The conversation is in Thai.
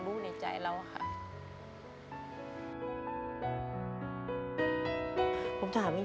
คุณหมอบอกว่าเอาไปพักฟื้นที่บ้านได้แล้ว